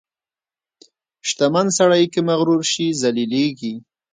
• شتمن سړی که مغرور شي، ذلیلېږي.